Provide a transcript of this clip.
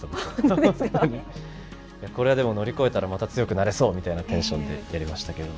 これはでも乗り越えたらまた強くなれそうみたいなテンションでやりましたけど。